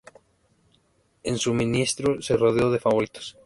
En su ministerio se rodeó de favoritos.